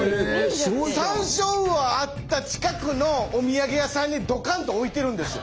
サンショウウオあった近くのお土産屋さんにどかんと置いてるんですよ。